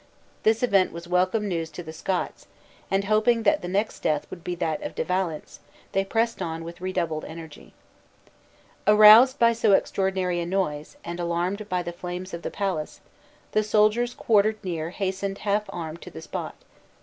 This event was welcome news to the Scots; and hoping that the next death would be that of De Valence, they pressed on with redoubled energy. Aroused by so extraordinary a noise, and alarmed by the flames of the palace, the soldiers quartered near hastened half armed to the spot.